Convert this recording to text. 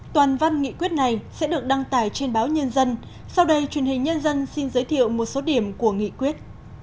toàn văn nghị quyết này sẽ được đăng tải trên báo nhân dân sau đây truyền hình nhân dân xin giới thiệu một số điểm của nghị quyết